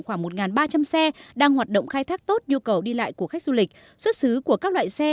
khoảng một ba trăm linh xe đang hoạt động khai thác tốt nhu cầu đi lại của khách du lịch xuất xứ của các loại xe